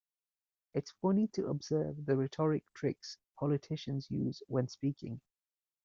It's funny to observe the rhetoric tricks politicians use when speaking.